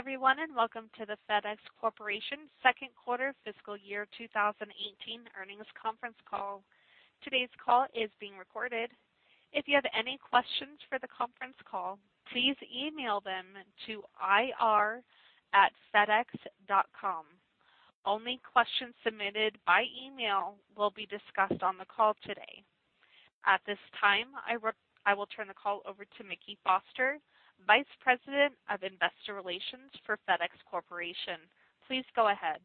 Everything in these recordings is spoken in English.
Good day, everyone, and welcome to the FedEx Corporation second quarter fiscal year 2018 earnings conference call. Today's call is being recorded. If you have any questions for the conference call, please email them to ir@fedex.com. Only questions submitted by email will be discussed on the call today. At this time, I will turn the call over to Mickey Foster, Vice President of Investor Relations for FedEx Corporation. Please go ahead.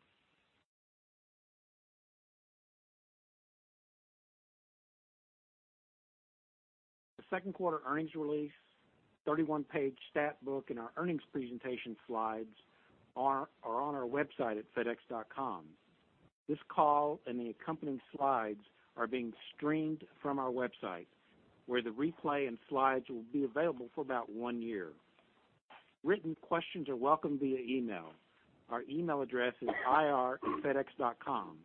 The second quarter earnings release, 31-page stat book, and our earnings presentation slides are on our website at fedex.com. This call and the accompanying slides are being streamed from our website, where the replay and slides will be available for about one year. Written questions are welcome via email. Our email address is ir@fedex.com.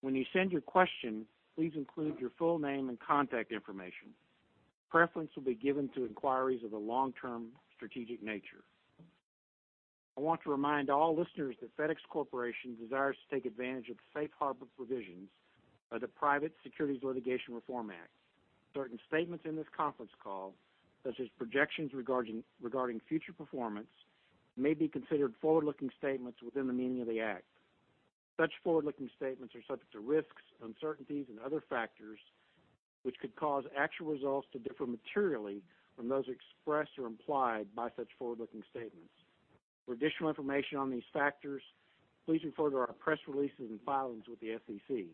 When you send your question, please include your full name and contact information. Preference will be given to inquiries of a long-term strategic nature. I want to remind all listeners that FedEx Corporation desires to take advantage of the safe harbor provisions of the Private Securities Litigation Reform Act. Certain statements in this conference call, such as projections regarding future performance, may be considered forward-looking statements within the meaning of the act. Such forward-looking statements are subject to risks, uncertainties, and other factors which could cause actual results to differ materially from those expressed or implied by such forward-looking statements. For additional information on these factors, please refer to our press releases and filings with the SEC.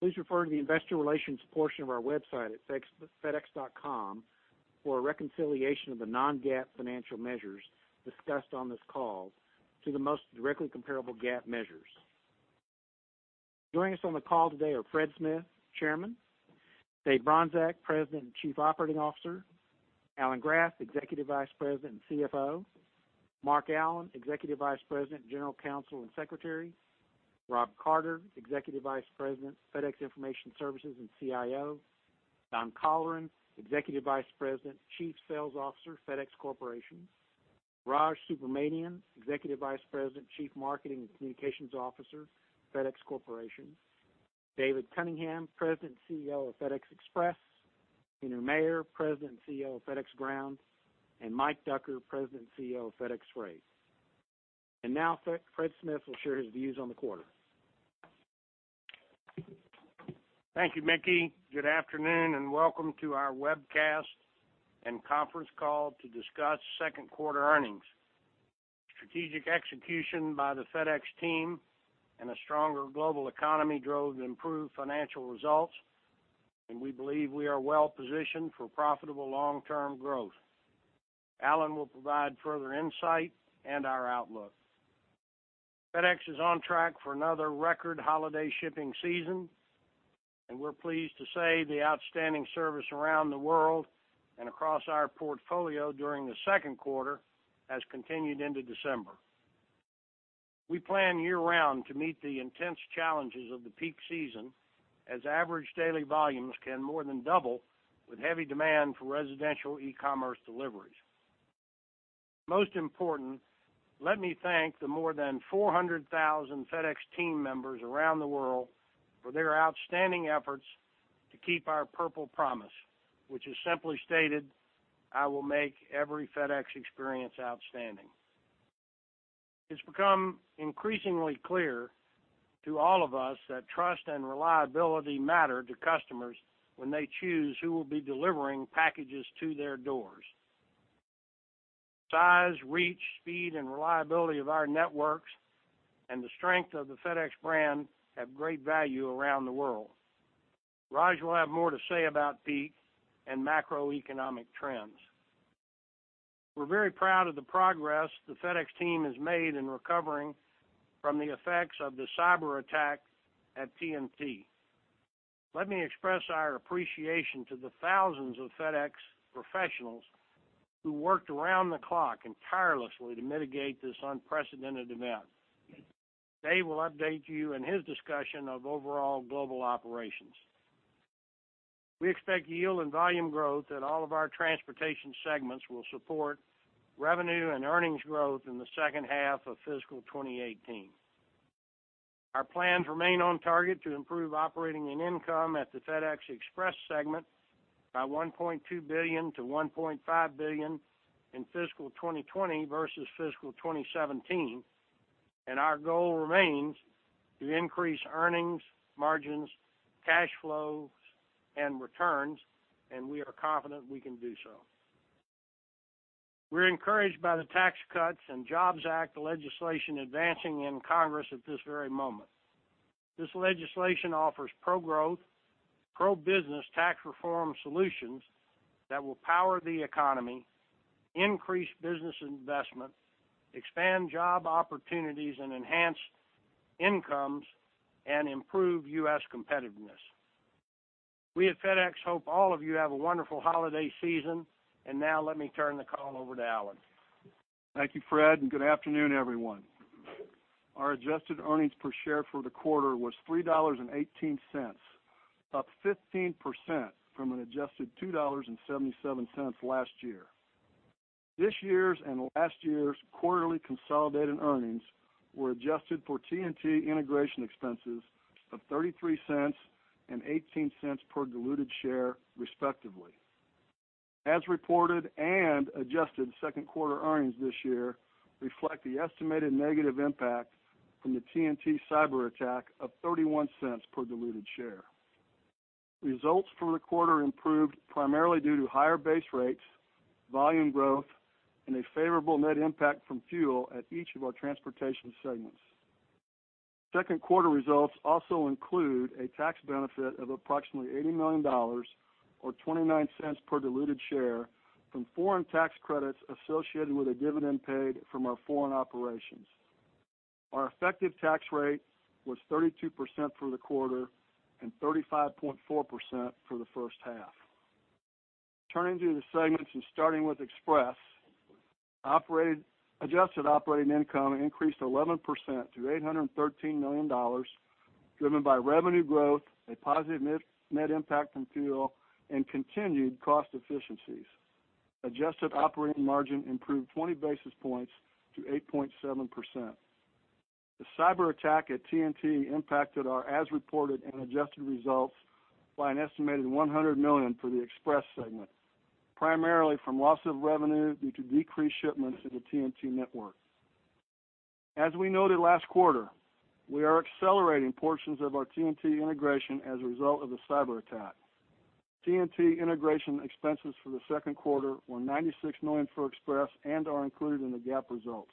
Please refer to the investor relations portion of our website at fedex.com for a reconciliation of the non-GAAP financial measures discussed on this call to the most directly comparable GAAP measures. Joining us on the call today are Fred Smith, Chairman; Dave Bronczek, President and Chief Operating Officer; Alan Graf, Executive Vice President and CFO; Mark Allen, Executive Vice President, General Counsel, and Secretary; Rob Carter, Executive Vice President, FedEx Information Services, and CIO; Don Colleran, Executive Vice President, Chief Sales Officer, FedEx Corporation; Raj Subramaniam, Executive Vice President, Chief Marketing and Communications Officer, FedEx Corporation; David Cunningham, President and CEO of FedEx Express; Henry Maier, President and CEO of FedEx Ground; and Mike Ducker, President and CEO of FedEx Freight. Now Fred Smith will share his views on the quarter. Thank you, Mickey. Good afternoon, and welcome to our webcast and conference call to discuss second quarter earnings. Strategic execution by the FedEx team and a stronger global economy drove improved financial results, and we believe we are well positioned for profitable long-term growth. Alan will provide further insight and our outlook. FedEx is on track for another record holiday shipping season, and we're pleased to say the outstanding service around the world and across our portfolio during the second quarter has continued into December. We plan year-round to meet the intense challenges of the peak season, as average daily volumes can more than double with heavy demand for residential e-commerce deliveries. Most important, let me thank the more than 400,000 FedEx team members around the world for their outstanding efforts to keep our Purple Promise, which is simply stated, "I will make every FedEx experience outstanding." It's become increasingly clear to all of us that trust and reliability matter to customers when they choose who will be delivering packages to their doors. Size, reach, speed, and reliability of our networks and the strength of the FedEx brand have great value around the world. Raj will have more to say about peak and macroeconomic trends. We're very proud of the progress the FedEx team has made in recovering from the effects of the cyberattack at TNT. Let me express our appreciation to the thousands of FedEx professionals who worked around the clock and tirelessly to mitigate this unprecedented event. Dave will update you in his discussion of overall global operations. We expect yield and volume growth at all of our transportation segments will support revenue and earnings growth in the second half of fiscal 2018. Our plans remain on target to improve operating and income at the FedEx Express segment by $1.2 billion-$1.5 billion in fiscal 2020 versus fiscal 2017. Our goal remains to increase earnings, margins, cash flows, and returns, and we are confident we can do so. We're encouraged by the Tax Cuts and Jobs Act legislation advancing in Congress at this very moment. This legislation offers pro-growth, pro-business tax reform solutions that will power the economy, increase business investment, expand job opportunities, and enhance incomes and improve U.S. competitiveness. We at FedEx hope all of you have a wonderful holiday season. Now let me turn the call over to Alan. Thank you, Fred. Good afternoon, everyone. Our adjusted earnings per share for the quarter was $3.18, up 15% from an adjusted $2.77 last year. This year's and last year's quarterly consolidated earnings were adjusted for TNT integration expenses of $0.33 and $0.18 per diluted share, respectively. As reported and adjusted second quarter earnings this year reflect the estimated negative impact from the TNT cyberattack of $0.31 per diluted share. Results for the quarter improved primarily due to higher base rates, volume growth, and a favorable net impact from fuel at each of our transportation segments. Second quarter results also include a tax benefit of approximately $80 million, or $0.29 per diluted share, from foreign tax credits associated with a dividend paid from our foreign operations. Our effective tax rate was 32% for the quarter and 35.4% for the first half. Turning to the segments and starting with Express. Adjusted operating income increased 11% to $813 million, driven by revenue growth, a positive net impact from fuel, and continued cost efficiencies. Adjusted operating margin improved 20 basis points to 8.7%. The cyber attack at TNT impacted our as reported and adjusted results by an estimated $100 million for the Express segment, primarily from loss of revenue due to decreased shipments to the TNT network. As we noted last quarter, we are accelerating portions of our TNT integration as a result of the cyber attack. TNT integration expenses for the second quarter were $96 million for Express and are included in the GAAP results.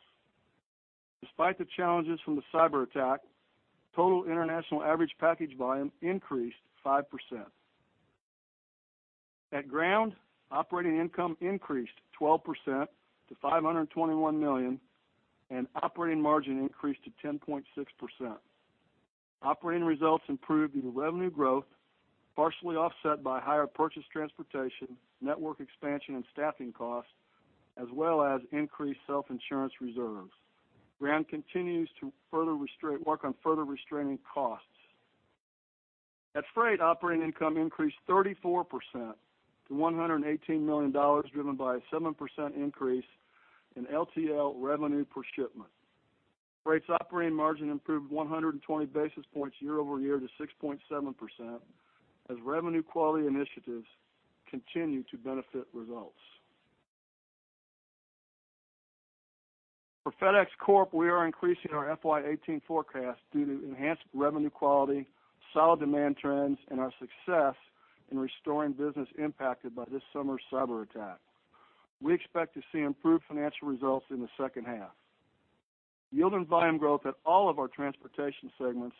Despite the challenges from the cyber attack, total international average package volume increased 5%. At Ground, operating income increased 12% to $521 million, and operating margin increased to 10.6%. Operating results improved due to revenue growth, partially offset by higher purchased transportation, network expansion and staffing costs, as well as increased self-insurance reserves. Ground continues to work on further restraining costs. At Freight, operating income increased 34% to $118 million, driven by a 7% increase in LTL revenue per shipment. Freight's operating margin improved 120 basis points year-over-year to 6.7%, as revenue quality initiatives continue to benefit results. For FedEx Corp, we are increasing our FY2018 forecast due to enhanced revenue quality, solid demand trends, and our success in restoring business impacted by this summer's cyber attack. We expect to see improved financial results in the second half. Yield and volume growth at all of our transportation segments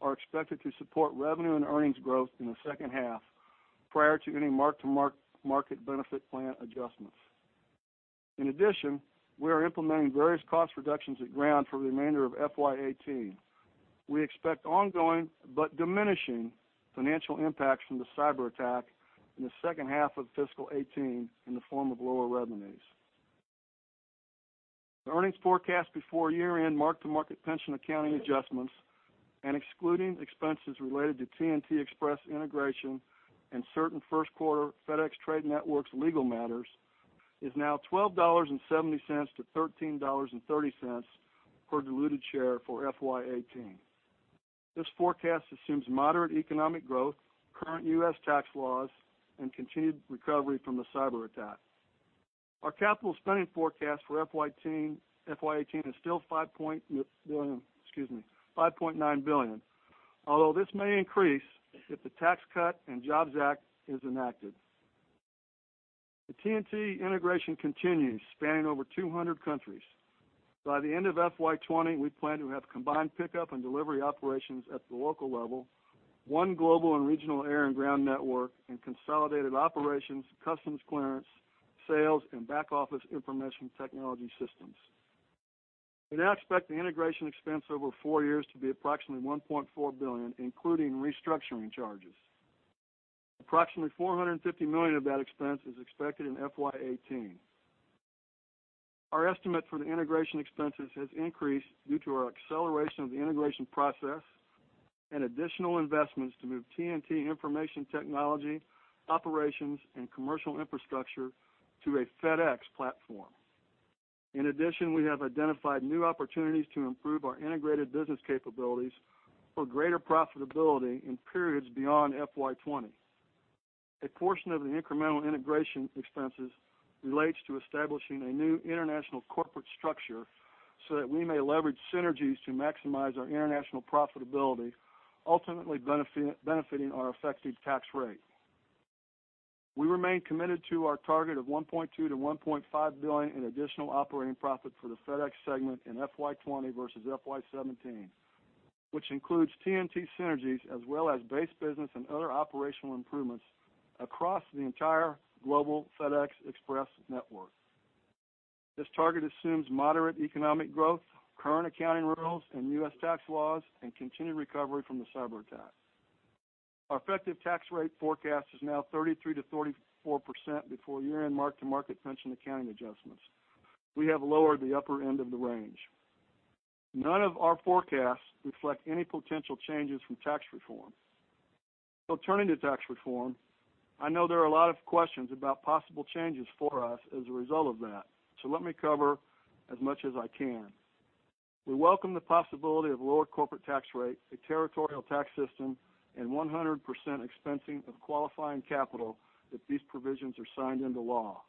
are expected to support revenue and earnings growth in the second half, prior to any mark-to-market benefit plan adjustments. In addition, we are implementing various cost reductions at Ground for the remainder of FY2018. We expect ongoing but diminishing financial impacts from the cyber attack in the second half of fiscal 2018 in the form of lower revenues. The earnings forecast before year-end mark-to-market pension accounting adjustments and excluding expenses related to TNT Express integration and certain first quarter FedEx Trade Networks legal matters is now $12.70 to $13.30 per diluted share for FY2018. This forecast assumes moderate economic growth, current U.S. tax laws, and continued recovery from the cyber attack. Our capital spending forecast for FY2018 is still $5.9 billion. Although this may increase if the Tax Cuts and Jobs Act is enacted. The TNT integration continues, spanning over 200 countries. By the end of FY2020, we plan to have combined pickup and delivery operations at the local level, one global and regional air and ground network, and consolidated operations, customs clearance, sales, and back-office information technology systems. We now expect the integration expense over four years to be approximately $1.4 billion, including restructuring charges. Approximately $450 million of that expense is expected in FY2018. Our estimate for the integration expenses has increased due to our acceleration of the integration process and additional investments to move TNT information technology, operations, and commercial infrastructure to a FedEx platform. In addition, we have identified new opportunities to improve our integrated business capabilities for greater profitability in periods beyond FY2020. A portion of the incremental integration expenses relates to establishing a new international corporate structure so that we may leverage synergies to maximize our international profitability, ultimately benefiting our effective tax rate. We remain committed to our target of $1.2 billion-$1.5 billion in additional operating profit for the FedEx segment in FY 2020 versus FY 2017, which includes TNT synergies as well as base business and other operational improvements across the entire global FedEx Express network. This target assumes moderate economic growth, current accounting rules and U.S. tax laws, and continued recovery from the cyber attack. Our effective tax rate forecast is now 33%-34% before year-end mark-to-market pension accounting adjustments. We have lowered the upper end of the range. None of our forecasts reflect any potential changes from tax reform. Turning to tax reform, I know there are a lot of questions about possible changes for us as a result of that. Let me cover as much as I can. We welcome the possibility of lower corporate tax rates, a territorial tax system, and 100% expensing of qualifying capital if these provisions are signed into law.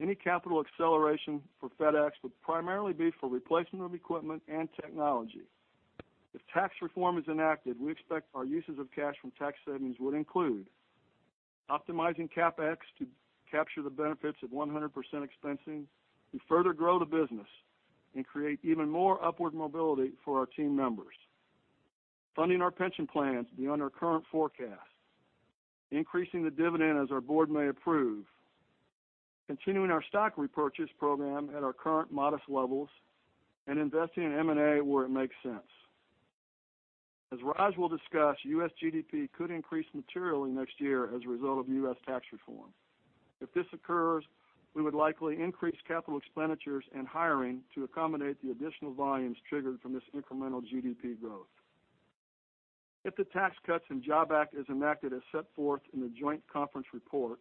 Any capital acceleration for FedEx would primarily be for replacement of equipment and technology. If tax reform is enacted, we expect our uses of cash from tax savings would include optimizing CapEx to capture the benefits of 100% expensing and further grow the business and create even more upward mobility for our team members. Funding our pension plans beyond our current forecast. Increasing the dividend as our board may approve. Continuing our stock repurchase program at our current modest levels, and investing in M&A where it makes sense. As Raj will discuss, U.S. GDP could increase materially next year as a result of U.S. tax reform. If this occurs, we would likely increase capital expenditures and hiring to accommodate the additional volumes triggered from this incremental GDP growth. If the Tax Cuts and Jobs Act is enacted as set forth in the joint conference report,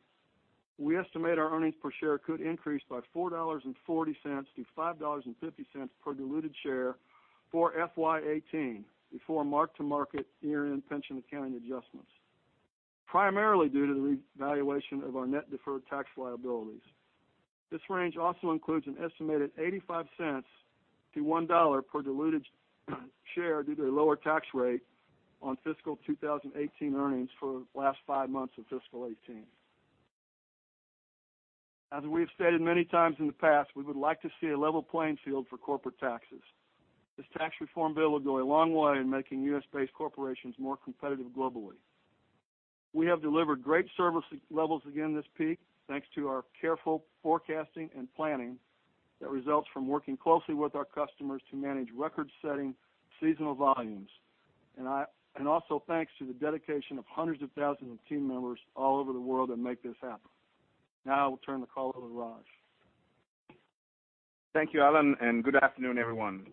we estimate our earnings per share could increase by $4.40-$5.50 per diluted share for FY 2018 before mark-to-market year-end pension accounting adjustments, primarily due to the revaluation of our net deferred tax liabilities. This range also includes an estimated $0.85-$1 per diluted share due to a lower tax rate on fiscal 2018 earnings for the last five months of fiscal 2018. As we have stated many times in the past, we would like to see a level playing field for corporate taxes. This tax reform bill will go a long way in making U.S.-based corporations more competitive globally. We have delivered great service levels again this peak thanks to our careful forecasting and planning that results from working closely with our customers to manage record-setting seasonal volumes, and also thanks to the dedication of hundreds of thousands of team members all over the world that make this happen. Now I will turn the call over to Raj. Thank you, Alan, and good afternoon, everyone.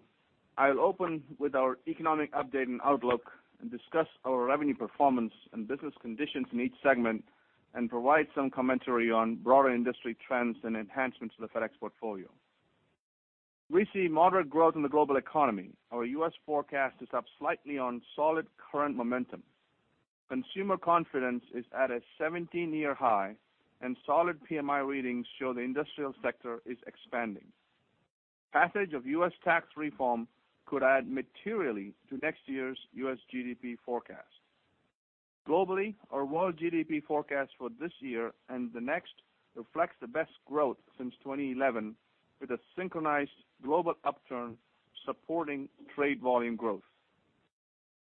I'll open with our economic update and outlook and discuss our revenue performance and business conditions in each segment and provide some commentary on broader industry trends and enhancements to the FedEx portfolio. We see moderate growth in the global economy. Our U.S. forecast is up slightly on solid current momentum. Consumer confidence is at a 17-year high, and solid PMI readings show the industrial sector is expanding. Passage of U.S. tax reform could add materially to next year's U.S. GDP forecast. Globally, our world GDP forecast for this year and the next reflects the best growth since 2011 with a synchronized global upturn supporting trade volume growth.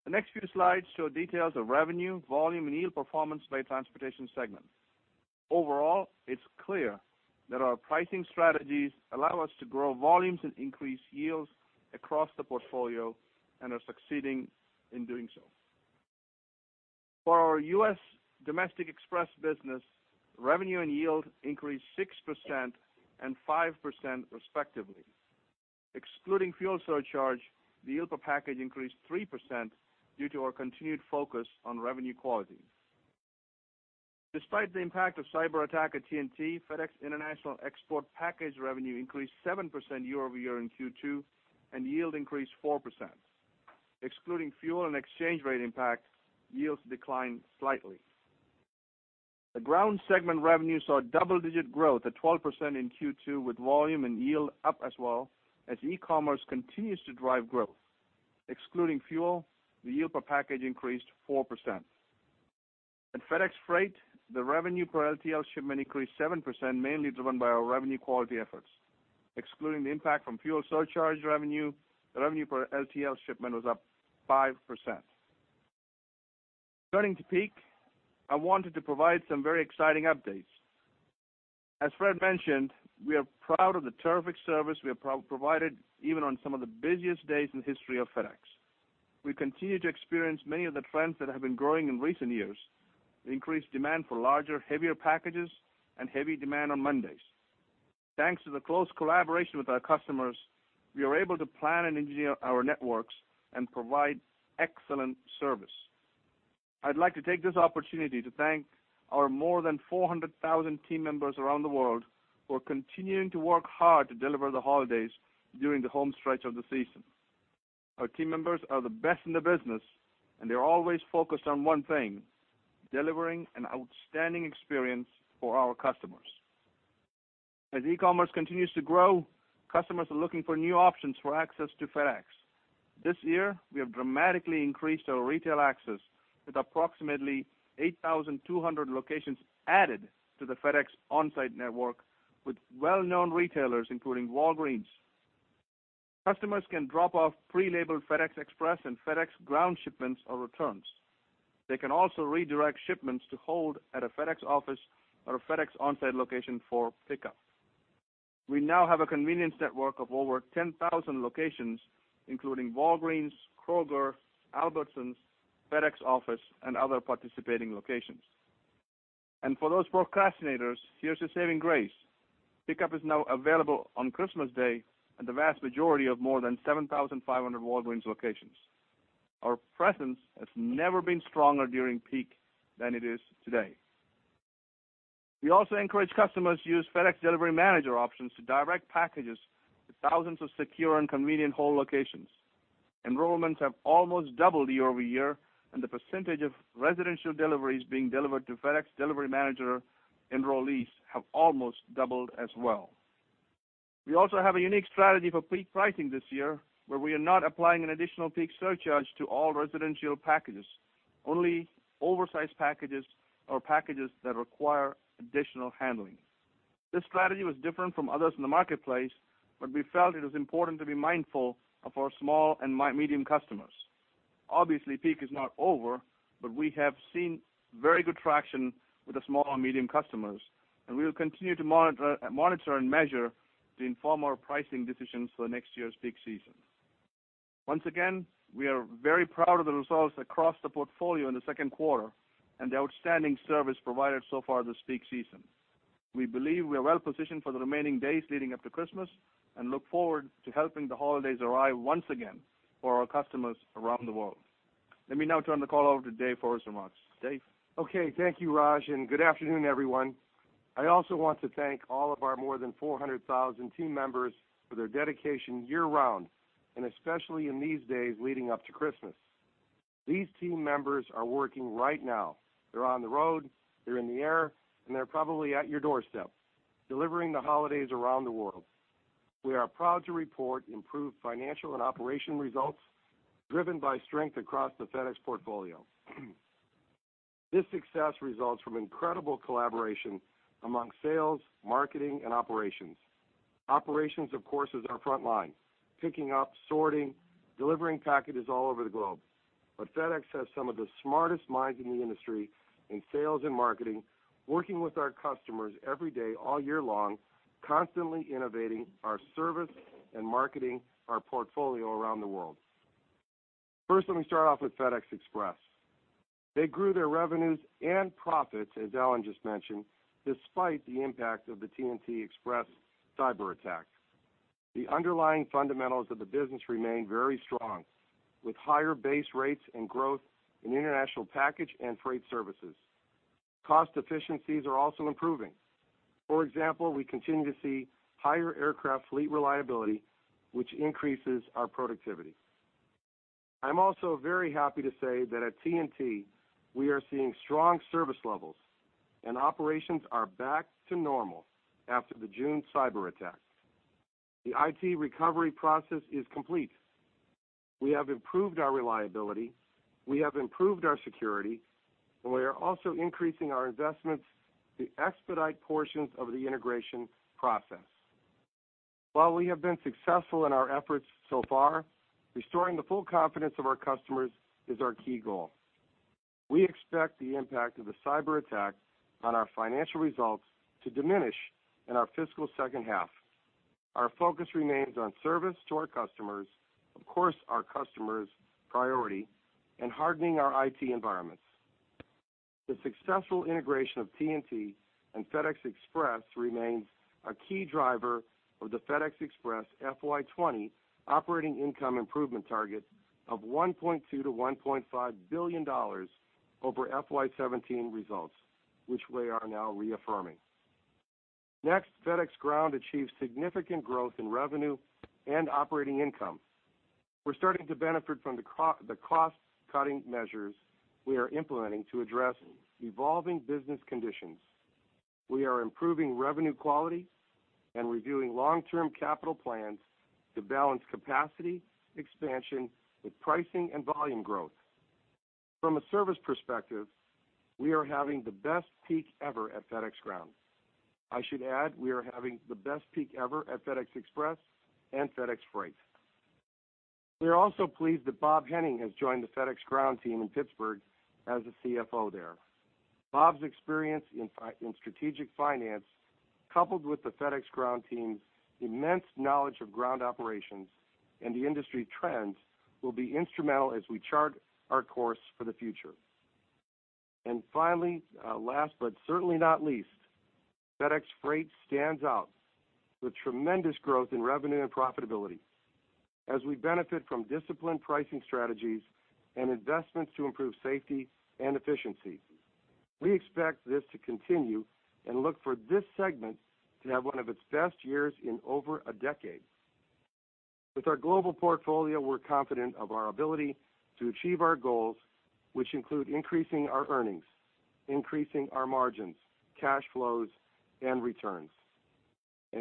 The next few slides show details of revenue, volume, and yield performance by transportation segment. Overall, it's clear that our pricing strategies allow us to grow volumes and increase yields across the portfolio and are succeeding in doing so. For our U.S. Domestic Express business, revenue and yield increased 6% and 5% respectively. Excluding fuel surcharge, the yield per package increased 3% due to our continued focus on revenue quality. Despite the impact of cyber attack at TNT, FedEx International Export package revenue increased 7% year-over-year in Q2, and yield increased 4%. Excluding fuel and exchange rate impact, yields declined slightly. The Ground segment revenue saw double-digit growth at 12% in Q2 with volume and yield up as well as e-commerce continues to drive growth. Excluding fuel, the yield per package increased 4%. At FedEx Freight, the revenue per LTL shipment increased 7%, mainly driven by our revenue quality efforts. Excluding the impact from fuel surcharge revenue, the revenue per LTL shipment was up 5%. Turning to Peak, I wanted to provide some very exciting updates. As Fred mentioned, we are proud of the terrific service we have provided even on some of the busiest days in the history of FedEx. We continue to experience many of the trends that have been growing in recent years. Increased demand for larger, heavier packages and heavy demand on Mondays. Thanks to the close collaboration with our customers, we are able to plan and engineer our networks and provide excellent service. I'd like to take this opportunity to thank our more than 400,000 team members around the world who are continuing to work hard to deliver the holidays during the home stretch of the season. Our team members are the best in the business, and they're always focused on one thing: delivering an outstanding experience for our customers. As e-commerce continues to grow, customers are looking for new options for access to FedEx. This year, we have dramatically increased our retail access with approximately 8,200 locations added to the FedEx OnSite network with well-known retailers, including Walgreens. Customers can drop off pre-labeled FedEx Express and FedEx Ground shipments or returns. They can also redirect shipments to hold at a FedEx Office or a FedEx OnSite location for pickup. We now have a convenience network of over 10,000 locations, including Walgreens, Kroger, Albertsons, FedEx Office, and other participating locations. For those procrastinators, here's your saving grace. Pickup is now available on Christmas Day at the vast majority of more than 7,500 Walgreens locations. Our presence has never been stronger during peak than it is today. We also encourage customers to use FedEx Delivery Manager options to direct packages to thousands of secure and convenient home locations. Enrollments have almost doubled year-over-year, and the percentage of residential deliveries being delivered to FedEx Delivery Manager enrollees have almost doubled as well. We also have a unique strategy for peak pricing this year, where we are not applying an additional peak surcharge to all residential packages, only oversized packages or packages that require additional handling. This strategy was different from others in the marketplace, but we felt it was important to be mindful of our small and medium customers. Obviously, peak is not over, but we have seen very good traction with the small and medium customers, and we will continue to monitor and measure to inform our pricing decisions for next year's peak season. Once again, we are very proud of the results across the portfolio in the second quarter and the outstanding service provided so far this peak season. We believe we are well positioned for the remaining days leading up to Christmas and look forward to helping the holidays arrive once again for our customers around the world. Let me now turn the call over to Dave for his remarks. Dave? Okay. Thank you, Raj. Good afternoon, everyone. I also want to thank all of our more than 400,000 team members for their dedication year-round and especially in these days leading up to Christmas. These team members are working right now. They're on the road, they're in the air, and they're probably at your doorstep, delivering the holidays around the world. We are proud to report improved financial and operational results driven by strength across the FedEx portfolio. This success results from incredible collaboration among sales, marketing, and operations. Operations, of course, is our front line, picking up, sorting, delivering packages all over the globe. FedEx has some of the smartest minds in the industry in sales and marketing, working with our customers every day, all year long, constantly innovating our service and marketing our portfolio around the world. First, let me start off with FedEx Express. They grew their revenues and profits, as Alan just mentioned, despite the impact of the TNT Express cyber attack. The underlying fundamentals of the business remain very strong, with higher base rates and growth in international package and freight services. Cost efficiencies are also improving. For example, we continue to see higher aircraft fleet reliability, which increases our productivity. I'm also very happy to say that at TNT, we are seeing strong service levels, and operations are back to normal after the June cyber attack. The IT recovery process is complete. We have improved our reliability, we have improved our security, and we are also increasing our investments to expedite portions of the integration process. While we have been successful in our efforts so far, restoring the full confidence of our customers is our key goal. We expect the impact of the cyber attack on our financial results to diminish in our fiscal second half. Our focus remains on service to our customers, of course, our customers' priority, and hardening our IT environments. The successful integration of TNT and FedEx Express remains a key driver of the FedEx Express FY 2020 operating income improvement target of $1.2 billion-$1.5 billion over FY 2017 results, which we are now reaffirming. FedEx Ground achieves significant growth in revenue and operating income. We're starting to benefit from the cost-cutting measures we are implementing to address evolving business conditions. We are improving revenue quality and reviewing long-term capital plans to balance capacity, expansion with pricing and volume growth. From a service perspective, we are having the best peak ever at FedEx Ground. I should add, we are having the best peak ever at FedEx Express and FedEx Freight. We are also pleased that Bob Henning has joined the FedEx Ground team in Pittsburgh as the CFO there. Bob's experience in strategic finance, coupled with the FedEx Ground team's immense knowledge of ground operations and the industry trends, will be instrumental as we chart our course for the future. Finally, last but certainly not least, FedEx Freight stands out with tremendous growth in revenue and profitability as we benefit from disciplined pricing strategies and investments to improve safety and efficiency. We expect this to continue and look for this segment to have one of its best years in over a decade. With our global portfolio, we're confident of our ability to achieve our goals, which include increasing our earnings, increasing our margins, cash flows, and returns.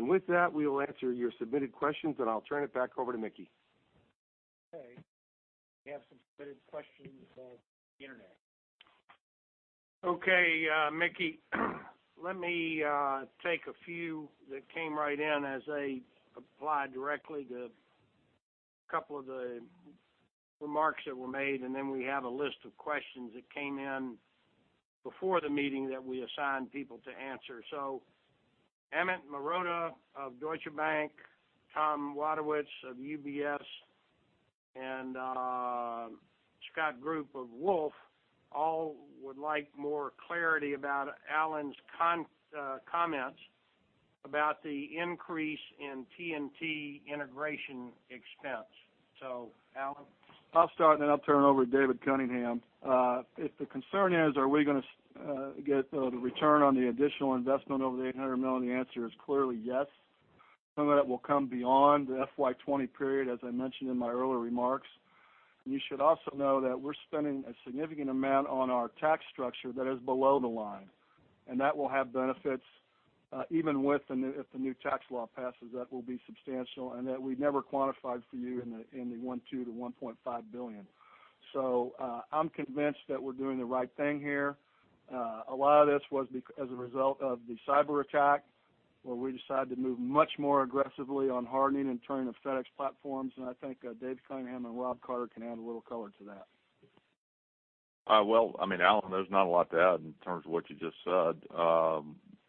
With that, we will answer your submitted questions, and I'll turn it back over to Mickey. We have some submitted questions on the internet. Mickey. Let me take a few that came right in as they apply directly to a couple of the remarks that were made, and then we have a list of questions that came in before the meeting that we assigned people to answer. Amit Mehrotra of Deutsche Bank, Thomas Wadewitz of UBS, and Scott Group of Wolfe all would like more clarity about Alan's comments about the increase in TNT integration expense. Alan? I'll start, then I'll turn it over to David Cunningham. If the concern is are we going to get the return on the additional investment over the $800 million, the answer is clearly yes. Some of that will come beyond the FY 2020 period, as I mentioned in my earlier remarks. You should also know that we're spending a significant amount on our tax structure that is below the line, and that will have benefits even if the new tax law passes, that will be substantial, and that we never quantified for you in the $1.2 billion-$1.5 billion. I'm convinced that we're doing the right thing here. A lot of this was as a result of the cyber attack, where we decided to move much more aggressively on hardening and turning the FedEx platforms. David Cunningham and Rob Carter can add a little color to that. Well, Alan, there's not a lot to add in terms of what you just said.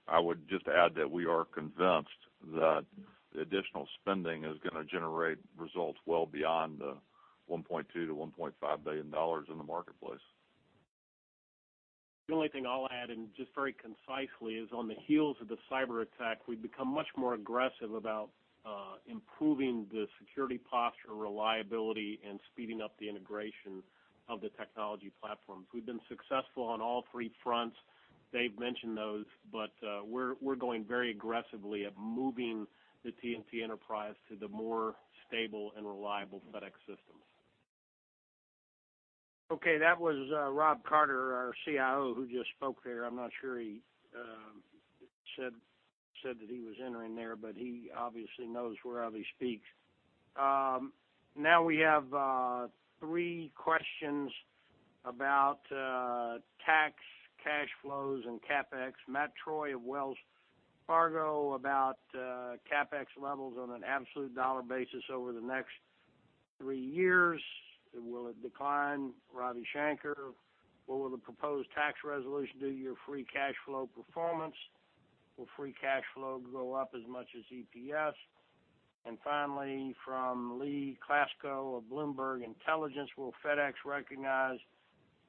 I would just add that we are convinced that the additional spending is going to generate results well beyond the $1.2 billion to $1.5 billion in the marketplace. The only thing I'll add, and just very concisely, is on the heels of the cyber attack, we've become much more aggressive about improving the security posture, reliability, and speeding up the integration of the technology platforms. We've been successful on all three fronts. Dave mentioned those, but we're going very aggressively at moving the TNT enterprise to the more stable and reliable FedEx systems. Okay. That was Rob Carter, our CIO, who just spoke there. I'm not sure he said that he was entering there, but he obviously knows whereof he speaks. We have three questions about tax, cash flows, and CapEx. Matt Troy of Wells Fargo about CapEx levels on an absolute dollar basis over the next three years, and will it decline? Ravi Shanker, what will the proposed tax resolution do to your free cash flow performance? Will free cash flow grow up as much as EPS? Finally, from Lee Klaskow of Bloomberg Intelligence, will FedEx recognize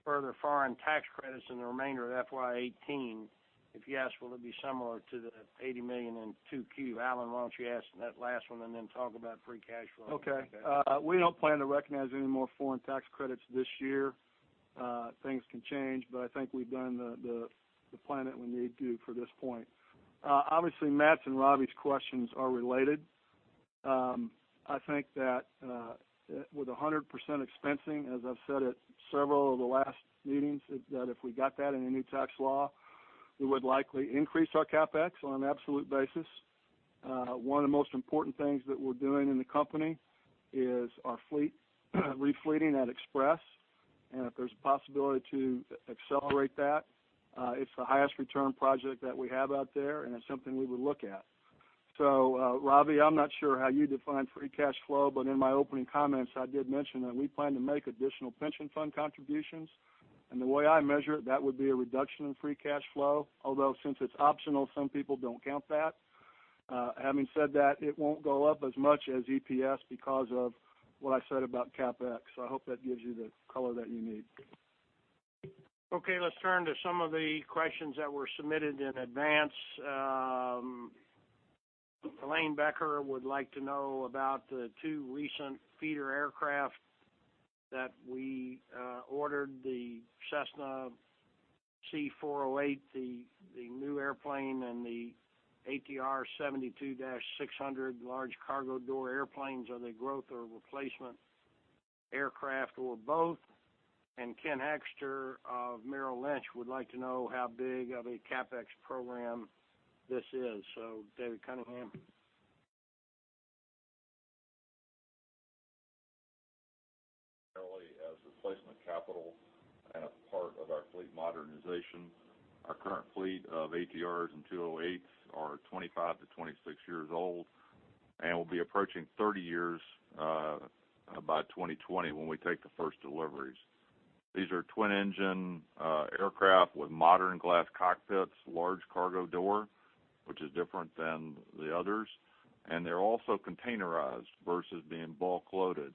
further foreign tax credits in the remainder of FY 2018? If yes, will it be similar to the $80 million in 2Q? Alan, why don't you answer that last one and then talk about free cash flow? Okay. We don't plan to recognize any more foreign tax credits this year. Things can change, but I think we've done the plan that we need to for this point. Obviously, Matthew's and Ravi's questions are related. I think that with 100% expensing, as I've said at several of the last meetings, that if we got that in a new tax law, we would likely increase our CapEx on an absolute basis. One of the most important things that we're doing in the company is our refleeting at Express. If there's a possibility to accelerate that, it's the highest return project that we have out there, and it's something we would look at. Ravi, I'm not sure how you define free cash flow, but in my opening comments, I did mention that we plan to make additional pension fund contributions. The way I measure it, that would be a reduction in free cash flow. Although since it's optional, some people don't count that. Having said that, it won't go up as much as EPS because of what I said about CapEx. I hope that gives you the color that you need. Okay, let's turn to some of the questions that were submitted in advance. Helane Becker would like to know about the two recent feeder aircraft that we ordered, the Cessna C408, the new airplane, and the ATR 72-600 large cargo door airplanes. Are they growth or replacement aircraft, or both? Kenneth Hoexter of Merrill Lynch would like to know how big of a CapEx program this is. David Cunningham. Primarily as replacement capital and a part of our fleet modernization. Our current fleet of ATRs and 208s are 25-26 years old and will be approaching 30 years by FY2020 when we take the first deliveries. These are twin-engine aircraft with modern glass cockpits, large cargo door, which is different than the others, and they're also containerized versus being bulk loaded.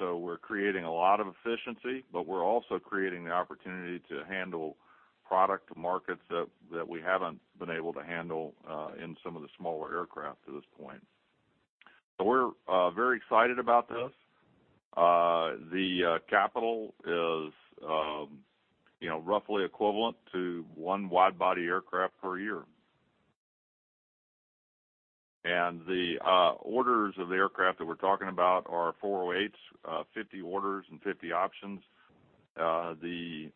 We're creating a lot of efficiency, but we're also creating the opportunity to handle product markets that we haven't been able to handle in some of the smaller aircraft to this point. We're very excited about this. The capital is roughly equivalent to one wide-body aircraft per year. The orders of the aircraft that we're talking about are 408s, 50 orders and 50 options. The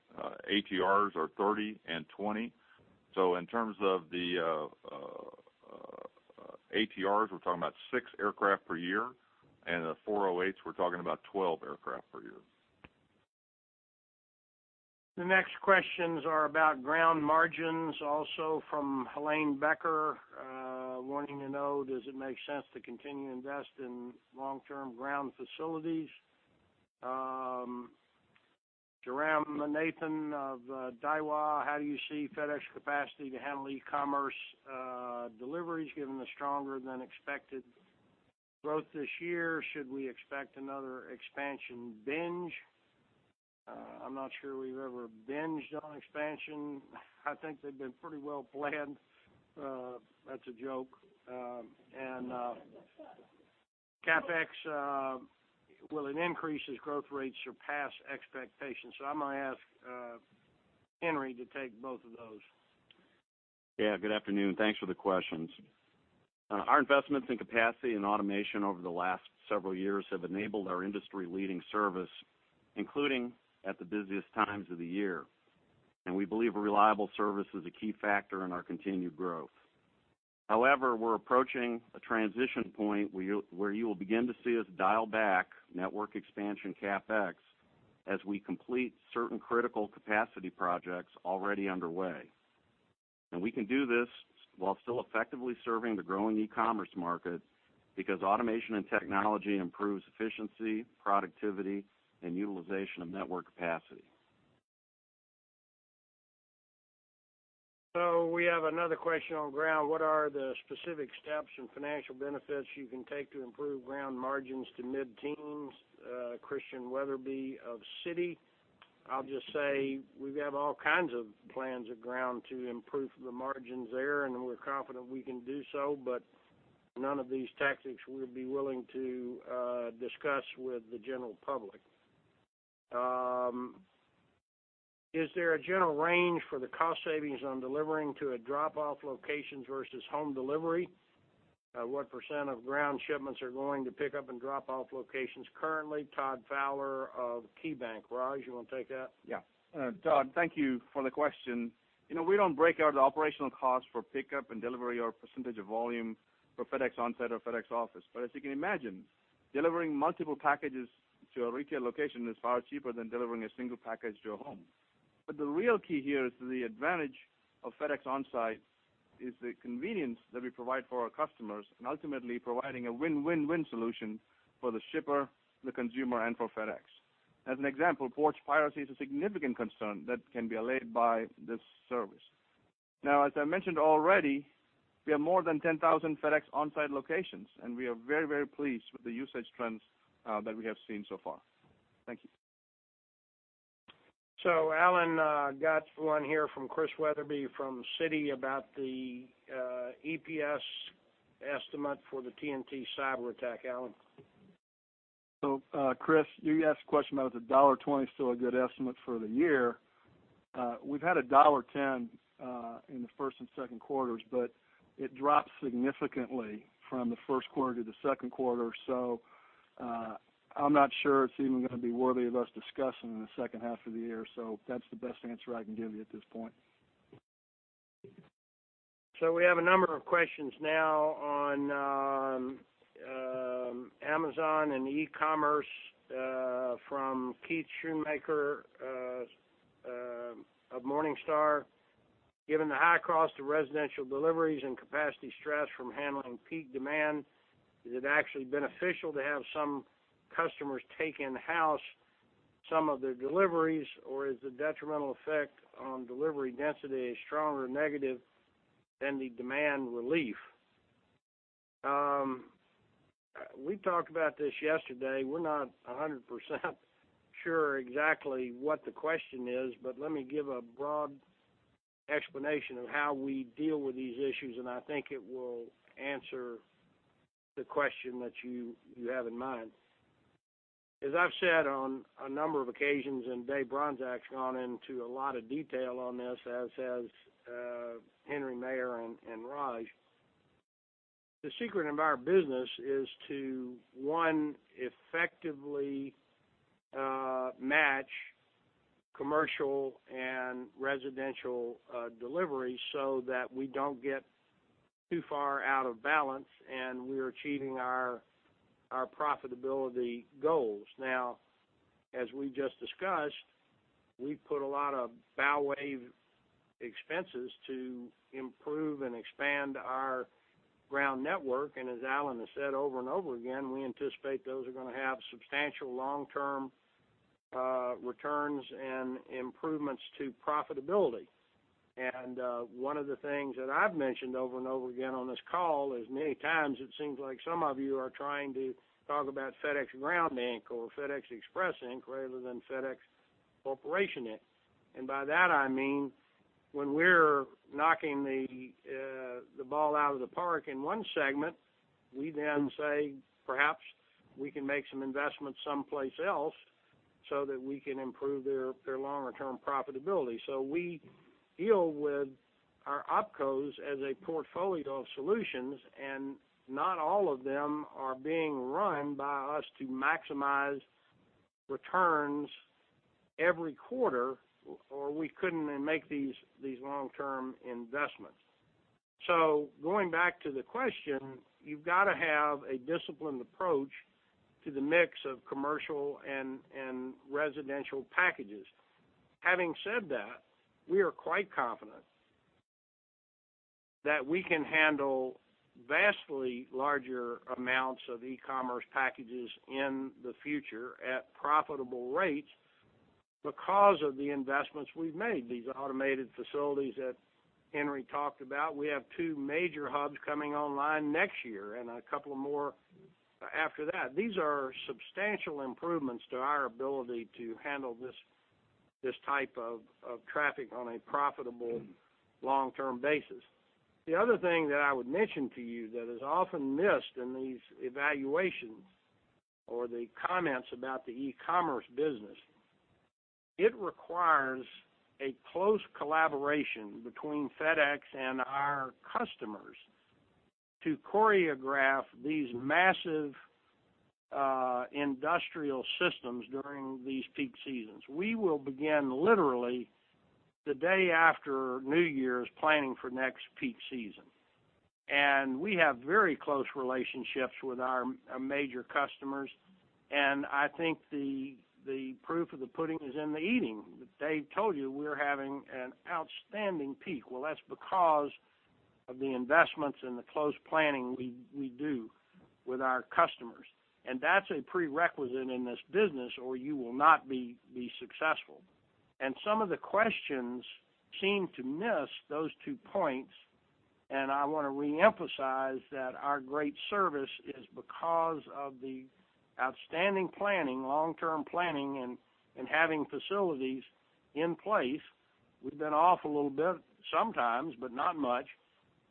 ATRs are 30 and 20. In terms of the ATRs, we're talking about six aircraft per year, and the 408s, we're talking about 12 aircraft per year. The next questions are about ground margins, also from Helane Becker, wanting to know does it make sense to continue to invest in long-term ground facilities? Jared Nathan of Daiwa, how do you see FedEx capacity to handle e-commerce deliveries given the stronger than expected growth this year? Should we expect another expansion binge? I'm not sure we've ever binged on expansion. I think they've been pretty well planned. That's a joke. CapEx, will it increase as growth rates surpass expectations? I'm going to ask Henry to take both of those. Yeah, good afternoon. Thanks for the questions. Our investments in capacity and automation over the last several years have enabled our industry-leading service, including at the busiest times of the year. We believe a reliable service is a key factor in our continued growth. However, we're approaching a transition point where you will begin to see us dial back network expansion CapEx as we complete certain critical capacity projects already underway. We can do this while still effectively serving the growing e-commerce market, because automation and technology improves efficiency, productivity, and utilization of network capacity. We have another question on ground. What are the specific steps and financial benefits you can take to improve ground margins to mid-teens? Christian Wetherbee of Citi. I'll just say we have all kinds of plans of ground to improve the margins there, and we're confident we can do so. None of these tactics we'll be willing to discuss with the general public. Is there a general range for the cost savings on delivering to a drop-off location versus home delivery? What % of ground shipments are going to pickup and drop-off locations currently? Todd Fowler of KeyBanc. Raj, you want to take that? Yeah. Todd, thank you for the question. We don't break out the operational cost for pickup and delivery or percentage of volume for FedEx OnSite or FedEx Office. As you can imagine, delivering multiple packages to a retail location is far cheaper than delivering a single package to a home. The real key here is the advantage of FedEx OnSite is the convenience that we provide for our customers and ultimately providing a win-win-win solution for the shipper, the consumer, and for FedEx. As an example, porch piracy is a significant concern that can be allayed by this service. As I mentioned already, we have more than 10,000 FedEx OnSite locations, and we are very, very pleased with the usage trends that we have seen so far. Thank you. Alan, got one here from Chris Wetherbee from Citi about the EPS estimate for the TNT cyber attack. Alan. Chris, you asked a question about is $1.20 still a good estimate for the year. We've had $1.10 in the first and second quarters, but it dropped significantly from the first quarter to the second quarter. I'm not sure it's even going to be worthy of us discussing in the second half of the year. That's the best answer I can give you at this point. We have a number of questions now on Amazon and e-commerce from Keith Schoonmaker of Morningstar. Given the high cost of residential deliveries and capacity stress from handling peak demand, is it actually beneficial to have some customers take in-house some of their deliveries, or is the detrimental effect on delivery density a stronger negative than the demand relief? We talked about this yesterday. We're not 100% sure exactly what the question is, let me give a broad explanation of how we deal with these issues, and I think it will answer the question that you have in mind. As I've said on a number of occasions, and Dave Bronczek's gone into a lot of detail on this, as has Henry Maier and Raj. The secret of our business is to, one, effectively match commercial and residential deliveries so that we don't get too far out of balance, and we're achieving our profitability goals. As we just discussed, we put a lot of bow wave expenses to improve and expand our ground network. As Alan has said over and over again, we anticipate those are going to have substantial long-term returns and improvements to profitability. One of the things that I've mentioned over and over again on this call is many times it seems like some of you are trying to talk about FedEx Ground Inc. or FedEx Express Inc. rather than FedEx Corporation Inc. By that I mean when we're knocking the ball out of the park in one segment, we then say perhaps we can make some investments someplace else so that we can improve their longer-term profitability. We deal with our OpCos as a portfolio of solutions, and not all of them are being run by us to maximize returns every quarter, or we couldn't then make these long-term investments. Going back to the question, you've got to have a disciplined approach to the mix of commercial and residential packages. Having said that, we are quite confident that we can handle vastly larger amounts of e-commerce packages in the future at profitable rates because of the investments we've made. These automated facilities that Henry talked about, we have two major hubs coming online next year and a couple more after that. These are substantial improvements to our ability to handle this type of traffic on a profitable long-term basis. The other thing that I would mention to you that is often missed in these evaluations or the comments about the e-commerce business, it requires a close collaboration between FedEx and our customers to choreograph these massive industrial systems during these peak seasons. We will begin literally the day after New Year's planning for next peak season. We have very close relationships with our major customers, and I think the proof of the pudding is in the eating. Dave told you we're having an outstanding peak. That's because of the investments and the close planning we do with our customers. That's a prerequisite in this business, or you will not be successful. Some of the questions seem to miss those two points, and I want to reemphasize that our great service is because of the outstanding planning, long-term planning, and having facilities in place. We've been off a little bit sometimes, but not much.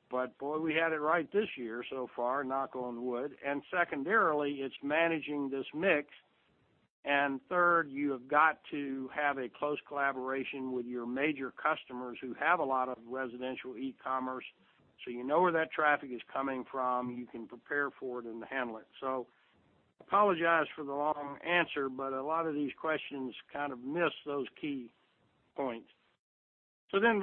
Boy, we had it right this year so far, knock on wood. Secondarily, it's managing this mix, and third, you have got to have a close collaboration with your major customers who have a lot of residential e-commerce, so you know where that traffic is coming from, you can prepare for it and handle it. Apologize for the long answer, but a lot of these questions kind of miss those key points. David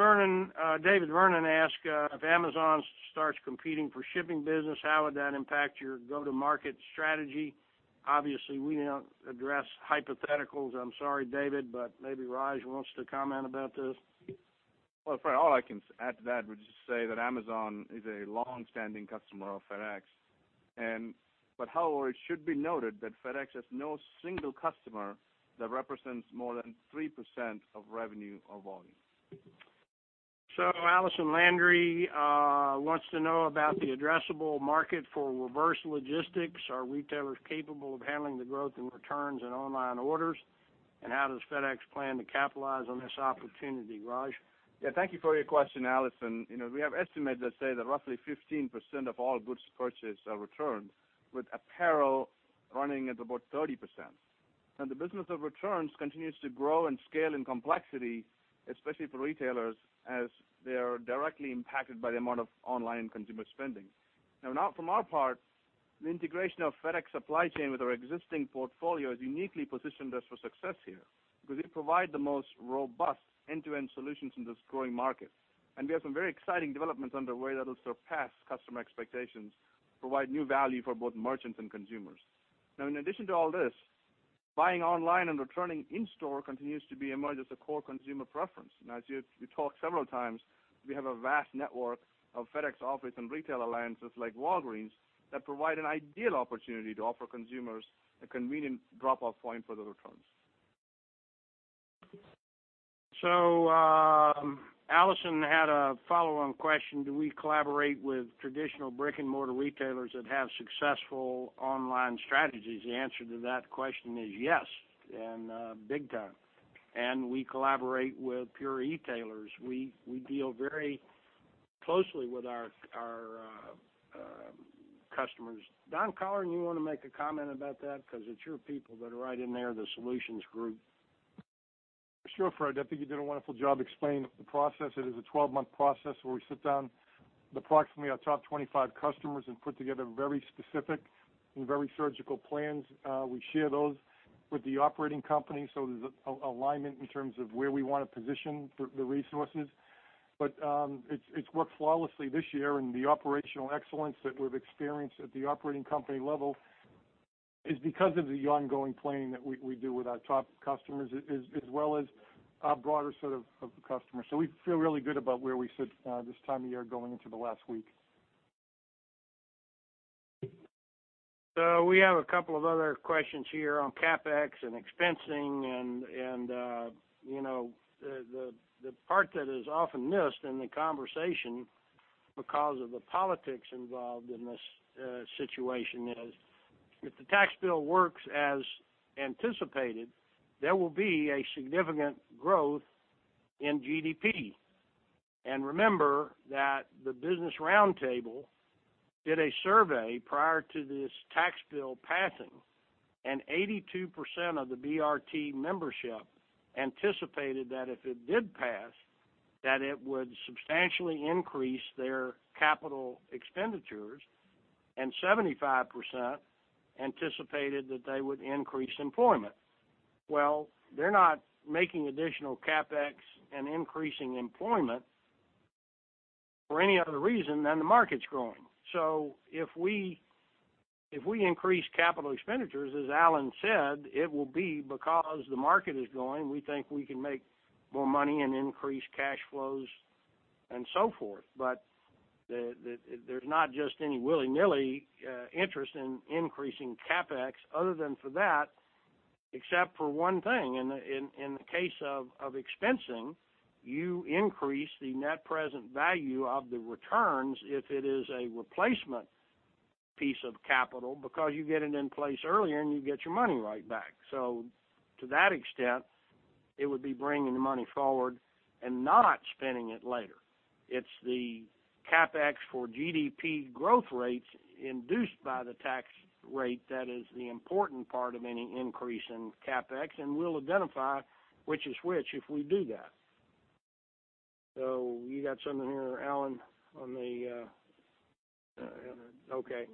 Vernon asked, if Amazon starts competing for shipping business, how would that impact your go-to-market strategy? We don't address hypotheticals. I'm sorry, David, but maybe Raj wants to comment about this. Well, Fred, all I can add to that would just say that Amazon is a longstanding customer of FedEx. However, it should be noted that FedEx has no single customer that represents more than 3% of revenue or volume. Allison Landry wants to know about the addressable market for reverse logistics. Are retailers capable of handling the growth in returns in online orders? How does FedEx plan to capitalize on this opportunity, Raj? Yeah, thank you for your question, Allison. We have estimates that say that roughly 15% of all goods purchased are returned, with apparel running at about 30%. Now, the business of returns continues to grow in scale and complexity, especially for retailers, as they are directly impacted by the amount of online consumer spending. Now, from our part, the integration of FedEx Supply Chain with our existing portfolio has uniquely positioned us for success here because we provide the most robust end-to-end solutions in this growing market. We have some very exciting developments underway that will surpass customer expectations, provide new value for both merchants and consumers. Now, in addition to all this, buying online and returning in store continues to emerge as a core consumer preference. Now, as you talked several times, we have a vast network of FedEx Office and retail alliances like Walgreens that provide an ideal opportunity to offer consumers a convenient drop-off point for the returns. Allison had a follow-on question. Do we collaborate with traditional brick-and-mortar retailers that have successful online strategies? The answer to that question is yes, and big time. We collaborate with pure e-tailers. We deal very closely with our customers. Don Colleran, you want to make a comment about that? Because it's your people that are right in there, the solutions group. Sure, Fred. I think you did a wonderful job explaining the process. It is a 12-month process where we sit down with approximately our top 25 customers and put together very specific and very surgical plans. We share those with the operating company, so there's alignment in terms of where we want to position the resources. It's worked flawlessly this year, and the operational excellence that we've experienced at the operating company level is because of the ongoing planning that we do with our top customers, as well as our broader set of customers. We feel really good about where we sit this time of year going into the last week. We have a couple of other questions here on CapEx and expensing and the part that is often missed in the conversation because of the politics involved in this situation is, if the tax bill works as anticipated, there will be a significant growth in GDP. Remember that the Business Roundtable did a survey prior to this tax bill passing, and 82% of the BRT membership anticipated that if it did pass, that it would substantially increase their capital expenditures, and 75% anticipated that they would increase employment. They're not making additional CapEx and increasing employment for any other reason than the market's growing. If we increase capital expenditures, as Alan said, it will be because the market is growing. We think we can make more money and increase cash flows and so forth. There's not just any willy-nilly interest in increasing CapEx other than for that, except for one thing. In the case of expensing, you increase the net present value of the returns if it is a replacement piece of capital because you get it in place earlier, and you get your money right back. To that extent, it would be bringing the money forward and not spending it later. It's the CapEx for GDP growth rates induced by the tax rate that is the important part of any increase in CapEx, and we'll identify which is which if we do that. You got something here, Alan. Okay.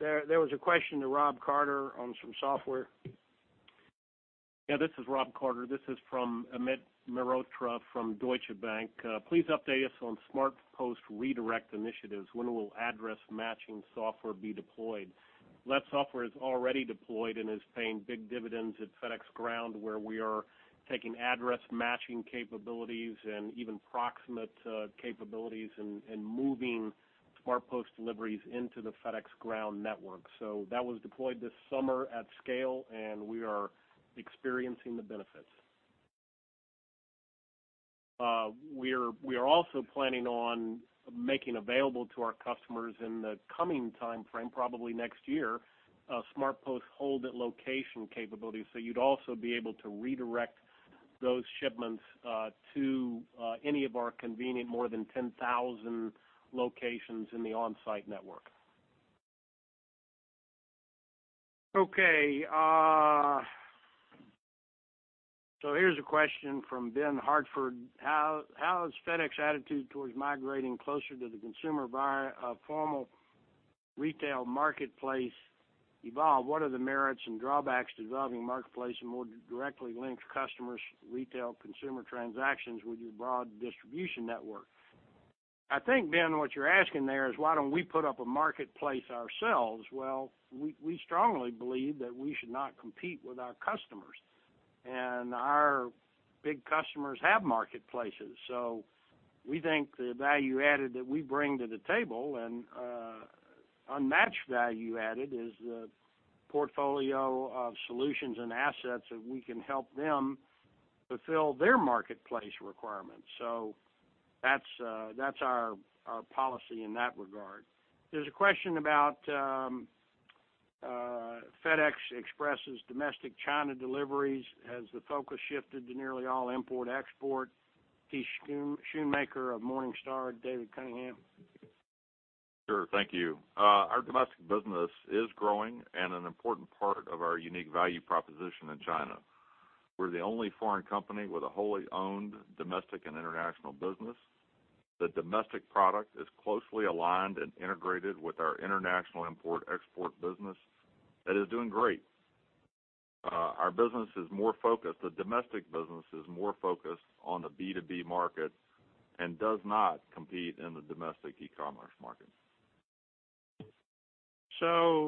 There was a question to Rob Carter on some software. This is Rob Carter. This is from Amit Mehrotra from Deutsche Bank. Please update us on SmartPost redirect initiatives. When will address matching software be deployed? That software is already deployed and is paying big dividends at FedEx Ground, where we are taking address matching capabilities and even proximate capabilities and moving SmartPost deliveries into the FedEx Ground network. That was deployed this summer at scale, and we are experiencing the benefits. We are also planning on making available to our customers in the coming timeframe, probably next year, a SmartPost hold at location capability. You'd also be able to redirect those shipments to any of our convenient more than 10,000 locations in the OnSite network. Here's a question from Ben Hartford. How has FedEx's attitude towards migrating closer to the consumer via a formal retail marketplace evolved? What are the merits and drawbacks to developing a marketplace and more directly link customers' retail consumer transactions with your broad distribution network? I think, Ben, what you're asking there is why don't we put up a marketplace ourselves? We strongly believe that we should not compete with our customers. Our big customers have marketplaces. We think the value added that we bring to the table, and unmatched value added, is the portfolio of solutions and assets that we can help them fulfill their marketplace requirements. That's our policy in that regard. There's a question about FedEx Express's domestic China deliveries. Has the focus shifted to nearly all import-export? Keith Schoonmaker of Morningstar. David Cunningham. Thank you. Our domestic business is growing and an important part of our unique value proposition in China. We're the only foreign company with a wholly owned domestic and international business. The domestic product is closely aligned and integrated with our international import-export business. That is doing great. Our business is more focused. The domestic business is more focused on the B2B market and does not compete in the domestic e-commerce market.